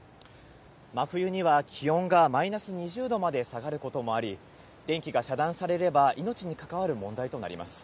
真冬には気温がマイナス２０度まで下がることもあり、電気が遮断されれば、命に関わる問題となります。